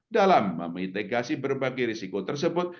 dalam mengintegrasi berbagai risiko tersebut